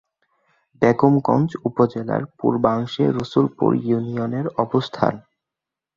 বেগমগঞ্জ উপজেলার পূর্বাংশে রসুলপুর ইউনিয়নের অবস্থান।